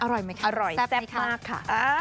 อร่อยไหมคะแซ่บไหมคะอร่อยแซ่บมากค่ะ